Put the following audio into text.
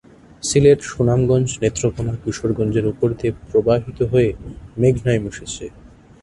সিলেট, সুনামগঞ্জ, নেত্রকোণা, কিশোরগঞ্জ এর উপর দিয়ে প্রবাহিত হয়ে মেঘনায় মিশেছে।